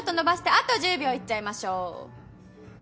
あと１０秒いっちゃいましょう。